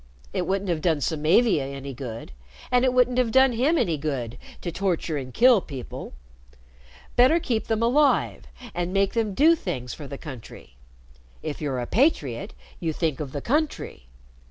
It wouldn't have done Samavia any good, and it wouldn't have done him any good to torture and kill people. Better keep them alive and make them do things for the country. If you're a patriot, you think of the country."